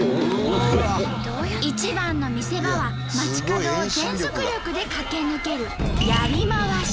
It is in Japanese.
一番の見せ場は街角を全速力で駆け抜けるやりまわし。